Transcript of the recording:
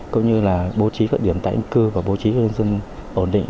cũng như là bố trí phận điểm tại anh cư và bố trí cho dân ổn định